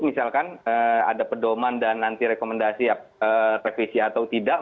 misalkan ada pedoman dan nanti rekomendasi revisi atau tidak